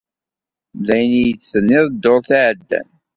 D ayen i iyi-d-tenniḍ ddurt iɛeddan.